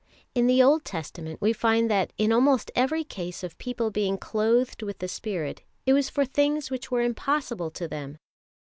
"In the Old Testament we find that in almost every case of people being clothed with the Spirit it was for things which were impossible to them.